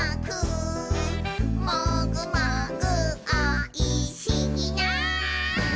「もぐもぐおいしいな」